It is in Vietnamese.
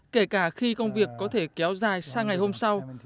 kể cả khi công việc có thể kéo dài sang ngày hôm sau